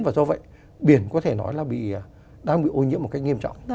và do vậy biển có thể nói là đang bị ô nhiễm một cách nghiêm trọng